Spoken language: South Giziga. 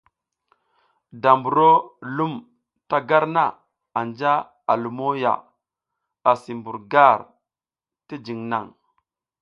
Da mburo lum ta gar na anja a lumo ya, asi mbur gar ti jiŋ naŋ.